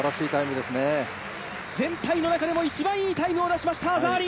全体の中でも一番いいタイムを出しました。